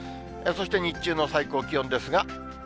そして日中の最高気温ですが。